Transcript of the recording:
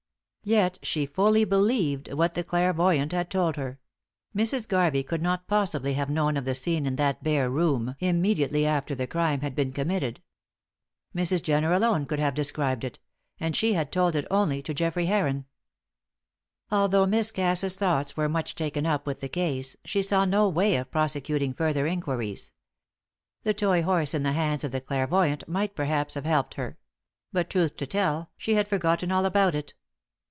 Yet she fully believed what the clairvoyant had told her; Mrs. Garvey could not possibly have known of the scene in that bare room immediately after the crime had been committed. Mrs. Jenner alone could have described it; and she had told it only to Geoffrey Heron. Although Miss Cass's thoughts were much taken up with the case, she saw no way of prosecuting further inquiries. The toy horse in the hands of the clairvoyant might perhaps have helped her; but, truth to tell, she had forgotten all about it!